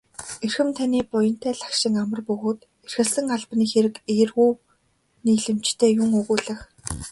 Эрхэм таны буянтай лагшин амар бөгөөд эрхэлсэн албаны хэрэг эергүү нийлэмжтэй юун өгүүлэх.